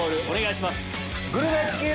お願いします。